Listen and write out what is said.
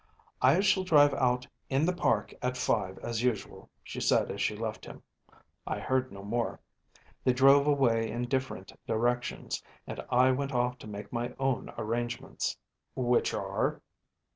‚ÄėI shall drive out in the park at five as usual,’ she said as she left him. I heard no more. They drove away in different directions, and I went off to make my own arrangements.‚ÄĚ “Which are?